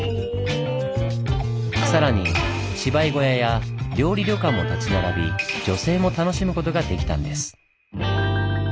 さらに芝居小屋や料理旅館も建ち並び女性も楽しむことができたんです。